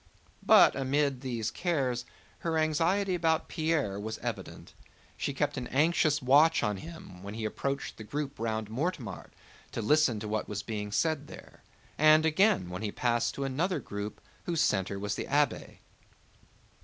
But amid these cares her anxiety about Pierre was evident. She kept an anxious watch on him when he approached the group round Mortemart to listen to what was being said there, and again when he passed to another group whose center was the abbé.